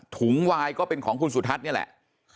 ถุงไวน์ก็เป็นของคุณสุทัศน์เนี่ยแหละ